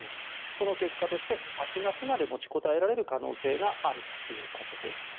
その結果として８月まで持ちこたえられる可能性があるということです。